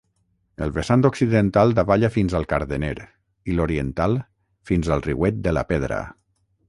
El vessant occidental davalla fins al Cardener i l'oriental fins al riuet de la Pedra.